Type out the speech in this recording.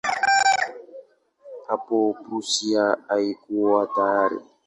Hapo Prussia haikuwa tayari.